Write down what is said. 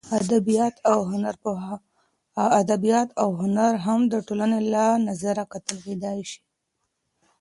ادبیات او هنر هم د ټولنپوهنې له نظره کتل کېدای سي.